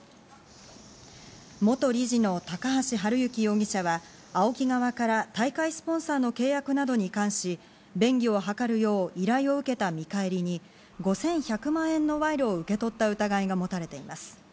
元理事の高橋治之容疑者はＡＯＫＩ側から大会スポンサーの契約などに関し、便宜を図るよう依頼を受けた見返りに、５１００万円の賄賂を受け取った疑いが持たれています。